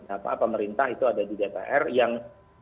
apa apa pemerintah itu ada di jpr yang